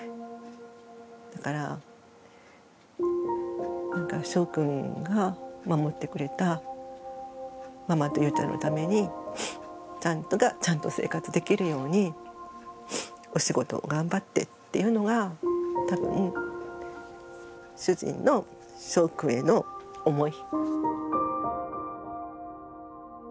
だからしょうくんが守ってくれたママとゆうちゃんのためにちゃんと生活できるようにお仕事を頑張ってっていうのが多分主人のしょうくんへの思い。